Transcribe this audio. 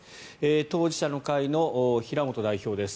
当事者の会の平本代表です。